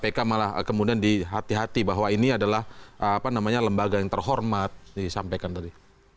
kpk malah kemudian dihati hati bahwa ini adalah lembaga yang terhormat disampaikan tadi